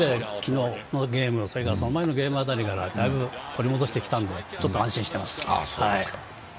でも前のゲーム辺りからだいぶ、取り戻してきたんでちょっと安心しています。